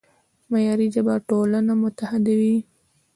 معیاري ژبه ټولنه متحدوي.